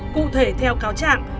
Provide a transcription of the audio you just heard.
cụ thể theo cáo trạng